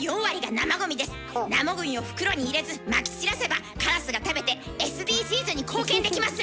生ゴミを袋に入れずまき散らせばカラスが食べてＳＤＧｓに貢献できます！